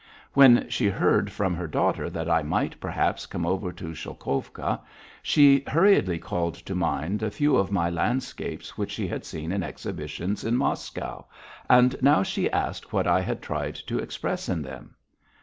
When she heard from her daughter that I might perhaps come over to Sholkovka, she hurriedly called to mind a few of my landscapes which she had seen in exhibitions in Moscow, and now she asked what I had tried to express in them.